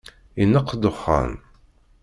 Ineqq dexxan.